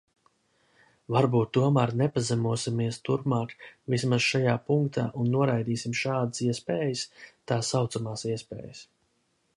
Varbūt tomēr nepazemosimies turpmāk vismaz šajā punktā un noraidīsim šādas iespējas, tā saucamās iespējas.